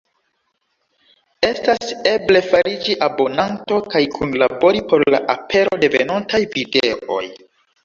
Estas eble fariĝi abonanto kaj kunlabori por la apero de venontaj videoj.